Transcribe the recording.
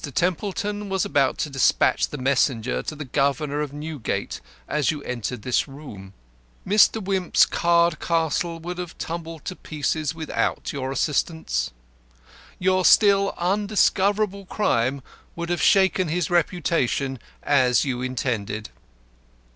Templeton was about to despatch the messenger to the governor of Newgate as you entered this room. Mr. Wimp's card castle would have tumbled to pieces without your assistance. Your still undiscoverable crime would have shaken his reputation as you intended."